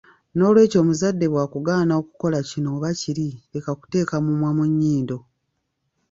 Nolwekyo omuzadde bwakugaana okukola kino oba kiri leka kuteeka mumwa mu nnyindo.